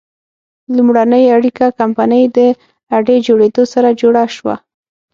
لومړنۍ اړیکه کمپنۍ د اډې جوړېدو سره جوړه شوه.